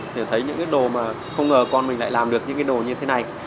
thì thấy những cái đồ mà không ngờ con mình lại làm được những cái đồ như thế này